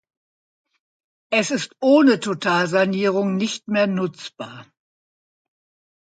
Es ist ohne Totalsanierung nicht mehr nutzbar.